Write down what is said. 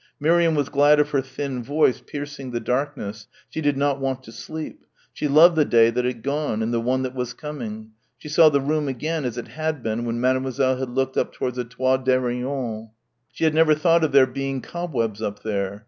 Miriam was glad of her thin voice piercing the darkness she did not want to sleep. She loved the day that had gone; and the one that was coming. She saw the room again as it had been when Mademoiselle had looked up towards the toiles d'araignées. She had never thought of there being cobwebs up there.